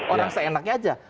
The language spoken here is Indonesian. orang seenaknya aja